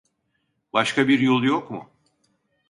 Başka bir yolu yok mu?